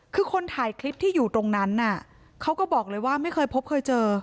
คือคนถ่ายคลิปที่อยู่ตรงนั้นเขาก็บอกเลยว่าไม่เคยพบเคยเจอ